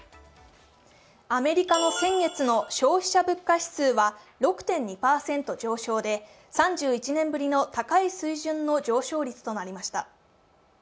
アメリカの先月の消費者物価指数は６．２％上昇で３１年ぶりの高い水準の上昇率となりました。